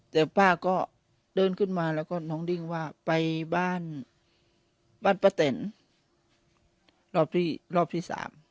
แต่ป้าก็เดินขึ้นมาแล้วก็น้องดิ้งว่าไปบ้านบ้านป้าแตนรอบที่รอบที่๓